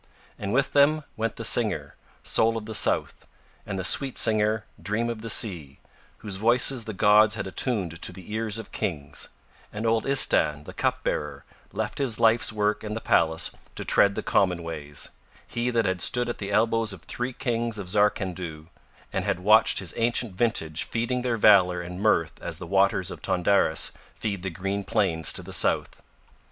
And with them went the singer, Soul of the South, and the sweet singer, Dream of the Sea, whose voices the gods had attuned to the ears of kings, and old Istahn the cupbearer left his life's work in the palace to tread the common ways, he that had stood at the elbows of three kings of Zarkandhu and had watched his ancient vintage feeding their valour and mirth as the waters of Tondaris feed the green plains to the south.